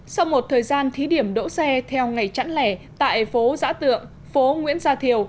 sau một thời gian thí điểm đỗ xe theo ngày chẵn lẻ tại phố giã tượng phố nguyễn gia thiều